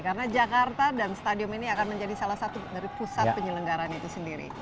karena jakarta dan stadion ini akan menjadi salah satu dari pusat penyelenggaran itu sendiri